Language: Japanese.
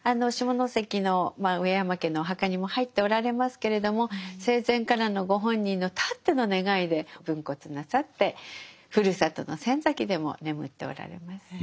下関の上山家のお墓にも入っておられますけれども生前からのご本人のたっての願いで分骨なさってふるさとの仙崎でも眠っておられます。